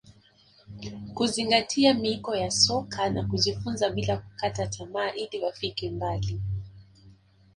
kuzingatia miiko ya soka na kujifunza bila kukata tamaa ili wafike mbali